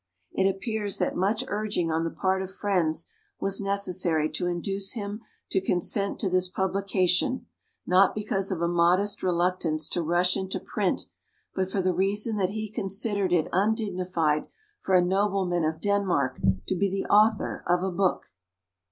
It appears that much urging on the part of friends was necessary to induce him to consent to this publication, not because of a modest reluctance to rush into print, but for the reason that he considered it undignified for a nobleman of Denmark to be the author of a book!